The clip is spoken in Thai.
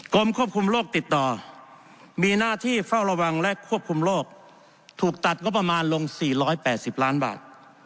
กรมควบคุมโรคติดต่อมีหน้าที่เฝ้าระวังและควบคุมโรคถูกตัดงบประมาณลง๔๘๐ล้านบาท